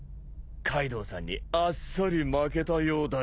カイドウさんにあっさり負けたようだがな！